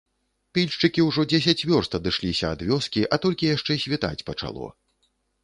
Пільшчыкі ўжо дзесяць вёрст адышліся ад вёскі, а толькі яшчэ світаць пачало.